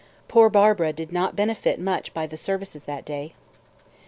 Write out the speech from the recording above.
Poor Barbara did not benefit much by the services that day.